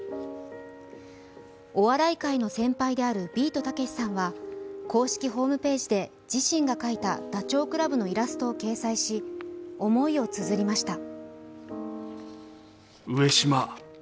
お笑い界の先輩であるビートたけしさんは公式ホームページで自身が描いたダチョウ倶楽部のイラストを掲載し、思いをつづりました。